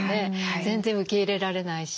全然受け入れられないし。